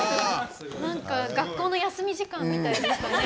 学校の休み時間みたいでしたね。